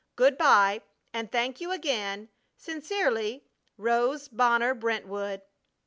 Good by, and thank you again, Sincerely, ROSE BONNER BRENTWOOD.